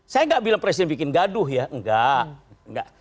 saya nggak bilang presiden bikin gaduh ya enggak